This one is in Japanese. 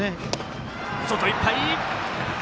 外いっぱい！